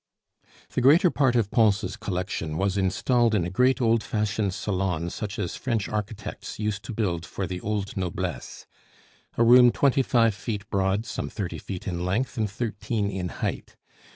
The greater part of Pons' collection was installed in a great old fashioned salon such as French architects used to build for the old noblesse; a room twenty five feet broad, some thirty feet in length, and thirteen in height.